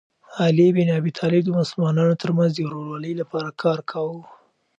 علي بن ابي طالب د مسلمانانو ترمنځ د ورورولۍ لپاره کار کاوه.